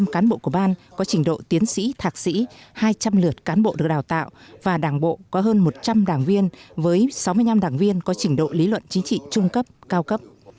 một trăm linh cán bộ của ban có trình độ tiến sĩ thạc sĩ hai trăm linh lượt cán bộ được đào tạo và đảng bộ có hơn một trăm linh đảng viên với sáu mươi năm đảng viên có trình độ lý luận chính trị trung cấp cao cấp